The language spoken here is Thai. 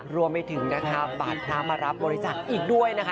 รวมถึงบาทพระมารับบริษัทอีกด้วย